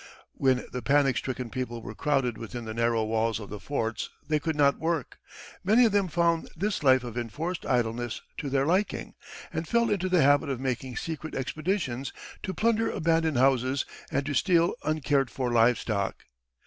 When the panic stricken people were crowded within the narrow walls of the forts they could not work. Many of them found this life of enforced idleness to their liking, and fell into the habit of making secret expeditions to plunder abandoned houses and to steal uncared for live stock.